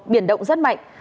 biển động rất mạnh